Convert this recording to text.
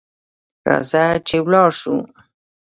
راځه چي ولاړ سو .